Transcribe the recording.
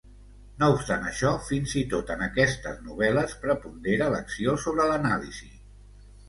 No obstant això, fins i tot en aquestes novel·les prepondera l'acció sobre l'anàlisi.